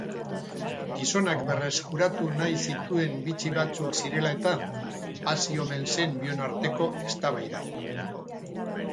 Gizonak berreskuratu nahi zituen bitxi batzuk zirela-eta hasi omen zen bion arteko eztabaida.